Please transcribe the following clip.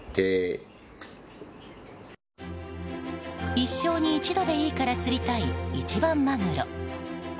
一生に一度でいいから釣りたい一番マグロ。